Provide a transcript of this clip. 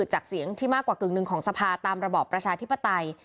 จากเสียงที่มากกว่ากึ่งหนึ่งของสภาตามระบอบประชาธิปไตย